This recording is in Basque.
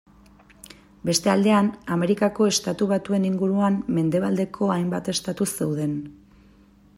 Beste aldean Amerikako Estatu Batuen inguruan mendebaldeko hainbat estatu zeuden.